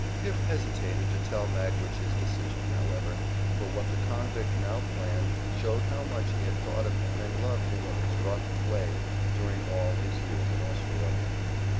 Pip hesitated to tell Magwitch his decision, however, for what the convict now planned showed how much he had thought of him and loved him in his rough way during all his years in Australia.